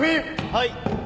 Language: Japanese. はい。